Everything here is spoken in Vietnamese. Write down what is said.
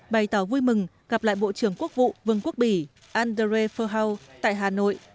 bày tỏ vui mừng gặp lại bộ trưởng quốc vụ vương quốc bỉ andré verhaal tại hà nội